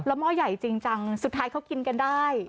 หม้อใหญ่จริงจังสุดท้ายเขากินกันได้